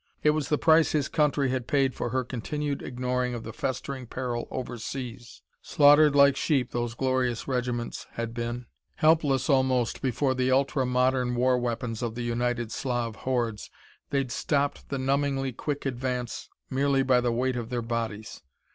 It was the price his country had paid for her continued ignoring of the festering peril overseas. Slaughtered like sheep, those glorious regiments had been! Helpless, almost, before the ultra modern war weapons of the United Slav hordes, they'd stopped the numbingly quick advance merely by the weight of their bodies.